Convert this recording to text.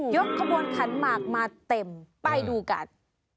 ขบวนขันหมากมาเต็มไปดูกัน